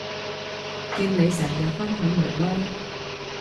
見你成日分享囡囡